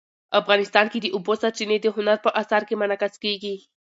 افغانستان کې د اوبو سرچینې د هنر په اثار کې منعکس کېږي.